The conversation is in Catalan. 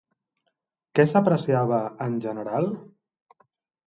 Què s'apreciava en general?